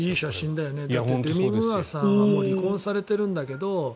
だってデミ・ムーアさんはもう離婚されてるんだけど。